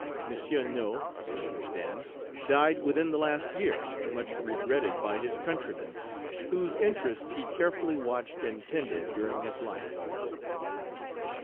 M. Nau, I understand, died within the last year, much regretted by his countrymen, whose interests he carefully watched and tended during his life.